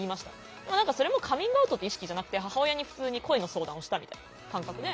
でもそれもカミングアウトって意識じゃなくて母親に普通に恋の相談をしたみたいな感覚で。